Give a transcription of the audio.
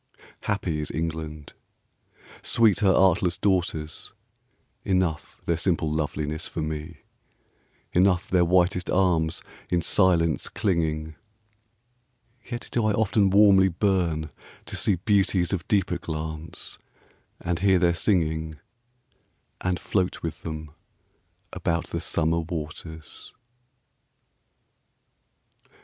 Happy is England, sweet her artless daughters; Enough their simple loveliness for me, 10 Enough their whitest arms in silence clinging: Yet do I often warmly burn to see Beauties of deeper glance, and hear their singing, And float with them about the summer waters.